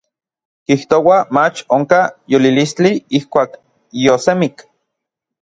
Kijtouaj mach onkaj yolilistli ijkuak yiosemik.